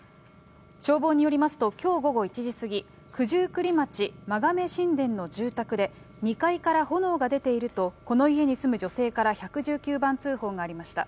消防によりますと、きょう午後１時過ぎ、九十九里町まがめしんでんの住宅で、２階から炎が出ていると、この家に住む女性から１１９番通報がありました。